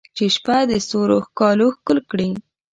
چې شپه د ستورو ښکالو ښکل کړي